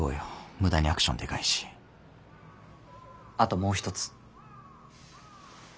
無駄にアクションでかいしあともう一つ。